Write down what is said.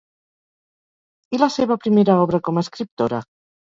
I la seva primera obra com a escriptora?